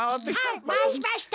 はいまわしました。